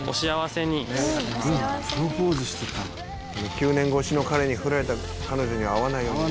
「９年越しの彼にフラれた彼女に会わないようにね」